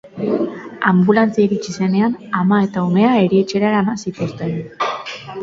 Anbulantzia iritsi zenean, ama eta umea erietxera eraman zituzten.